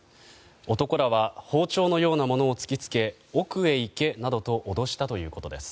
男らは包丁のようなものを突きつけ奥へ行けなどと脅したということです。